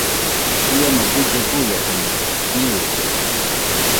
Rɨama guille guiakañede, nɨɨde.